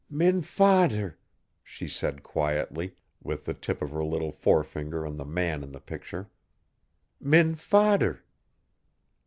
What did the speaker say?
"Min fader," she said quietly, with the tip of her little forefinger on the man in the picture. "Min fader."